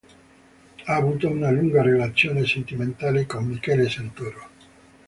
Ha avuto una lunga relazione sentimentale con Michele Santoro.